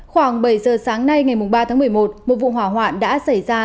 khoảng bảy giờ sáng nay ngày ba tháng một mươi một một vụ hỏa hoạn đã xảy ra